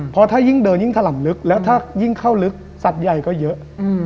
เพราะถ้ายิ่งเดินยิ่งถล่ำลึกแล้วถ้ายิ่งเข้าลึกสัตว์ใหญ่ก็เยอะ